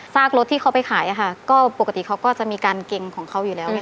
รถที่เขาไปขายก็ปกติเขาก็จะมีการเก่งของเขาอยู่แล้วไง